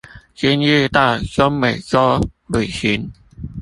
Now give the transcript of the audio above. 今日到中美州旅行